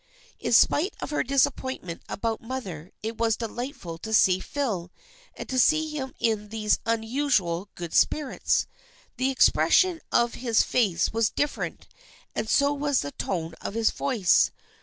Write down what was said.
In spite of her disappointment about her mother it was delightful to see Phil, and to see him in these unusual good spirits. The expression of his face was different and so was the tone of his voice.